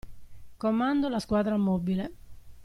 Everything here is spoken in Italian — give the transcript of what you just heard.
Comando la Squadra Mobile.